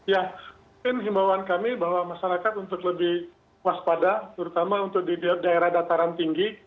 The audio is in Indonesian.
ya mungkin himbawan kami bahwa masyarakat untuk lebih waspada terutama untuk di daerah dataran tinggi